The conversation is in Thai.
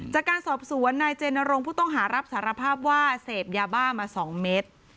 จากการสอบสวนนายเจนรงค์ผู้ต้องหารับสารภาพว่าเสพยาบ้ามา๒เมตร